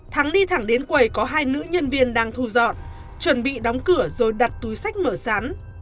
thắng đi thẳng đến quầy có hai nữ nhân viên đang thu dọn chuẩn bị đóng cửa rồi đặt túi sách mở sắn